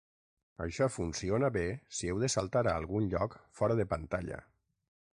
Això funciona bé si heu de saltar a algun lloc fora de pantalla.